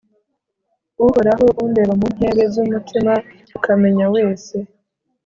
uhoraho, undeba mu nkebe z'umutima, ukamenya wese